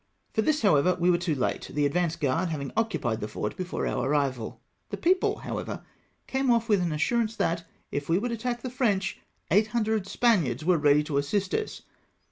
For this, however, we were too late, the advanced guard having occupied the fort before our arrival. The people, s3 262 SIEGE OF GERONA. however, came off with an assurance that, if we would attack the French, 800 Spaniards were ready to assist us.